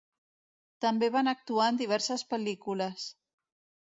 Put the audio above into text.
També van actuar en diverses pel·lícules.